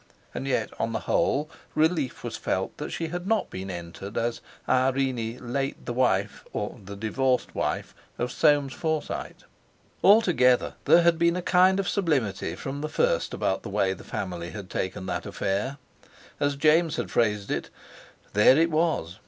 And yet, on the whole, relief was felt that she had not been entered as "Irene, late the wife," or "the divorced wife," "of Soames Forsyte." Altogether, there had been a kind of sublimity from the first about the way the family had taken that "affair." As James had phrased it, "There it was!"